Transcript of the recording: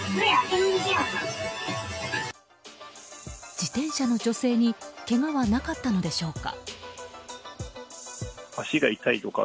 自転車の女性にけがはなかったのでしょうか。